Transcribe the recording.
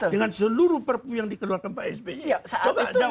dengan seluruh perpu yang dikeluarkan pak s b i